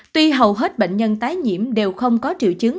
tuy hầu hết bệnh nhân tái nhiễm đều không có triệu chứng